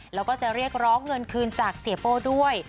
แล้วก็จะเรียกร้องเงินคืนจากเสียโป้ด้วย